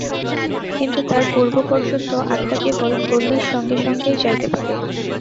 কিন্তু তার পূর্ব পর্যন্ত আত্মা কেবল ঘূর্ণির সঙ্গে সঙ্গেই যাইতে পারে।